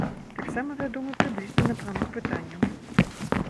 Таксама вядомы прыблізны напрамак пытанняў.